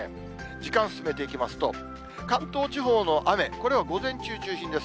時間進めていきますと、関東地方の雨、これは午前中中心です。